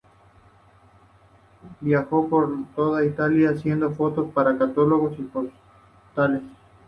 Viajó por toda Italia haciendo fotos para catálogos y postales.